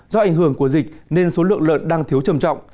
do ảnh hưởng của dịch nên số lượng lợn đang thiếu trầm trọng